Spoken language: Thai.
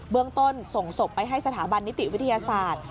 เรื่องต้นส่งศพไปให้สถาบันนิติวิทยาศาสตร์